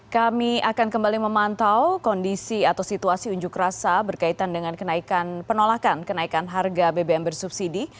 kami akan kembali memantau kondisi atau situasi unjuk rasa berkaitan dengan penolakan kenaikan harga bbm bersubsidi